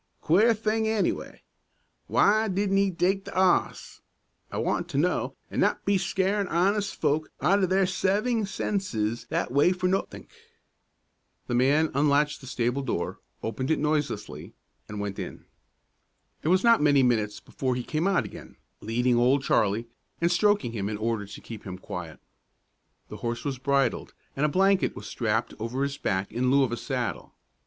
Queer thing, anyway. W'y didn't 'e take the 'oss, I want to know, an' not be scarin' honest folk out o' their seving senses that way for nothink?" The man unlatched the stable door, opened it noiselessly, and went in. It was not many minutes before he came out again, leading Old Charlie, and stroking him in order to keep him quiet. The horse was bridled, and a blanket was strapped over his back in lieu of a saddle.